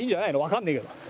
わかんねえけど。